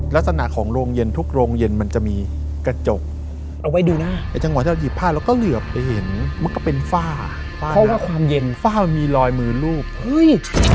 ลักษณะของโรงเย็นทุกโรงเย็นมันจะมีกระจกเอาไว้ดูหน้าไอ้จังหวะที่เราหยิบผ้าเราก็เหลือไปเห็นมันก็เป็นฝ้าฝ้าความเย็นฝ้ามันมีรอยมือรูปเฮ้ย